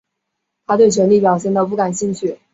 他对权力表现得不感兴趣。